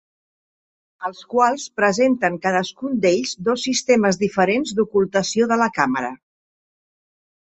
Els quals presenten cadascun d'ells dos sistemes diferents d'ocultació de la càmera.